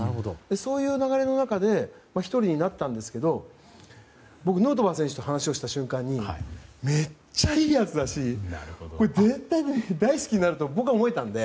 そういう流れの中で１人になったんですが僕、ヌートバー選手と話をした瞬間にめっちゃいいやつだし絶対大好きになると僕は思えたので。